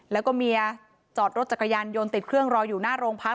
แล้วก็เมียจอดรถจักรยานยนต์ติดเครื่องรออยู่หน้าโรงพัก